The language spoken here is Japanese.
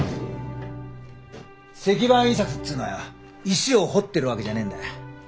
石版印刷っつうのは石を彫ってるわけじゃねえんだ。